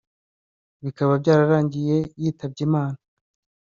bikaba byararangiye yitabye Imana